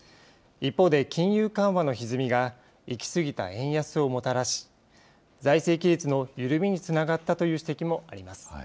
一方で金融緩和のひずみが行き過ぎた円安をもたらし、財政規律の緩みにつながったという指摘もあります。